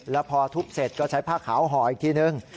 แล้วพอทุบเสร็จก็ใช้ผ้าขาวห่ออีกทีนึง